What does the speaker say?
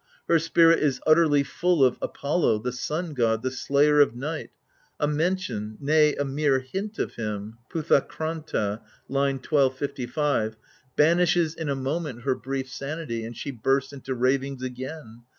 Her spirit is utterly full of Apollo, the Sim God, the Slayer of Night : a mention, nay, a mere hint of him {irvdoKpavra^ /. 1255} banishes in a moment her brief sanity, and she bursts into ravings again.